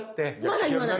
まだ言わない。